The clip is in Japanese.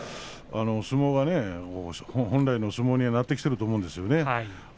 本来の相撲にはなってきていると思うんですね。